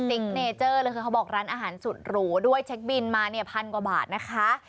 สติ๊กเนเจอร์คือเขาบอกร้านอาหารสุดหรูด้วยเช็คบินมา๑๐๐๐กว่าบาทนะคะ